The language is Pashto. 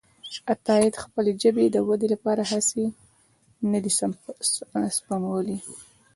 عطاييد خپلې ژبې د ودې لپاره هڅې نه دي سپمولي.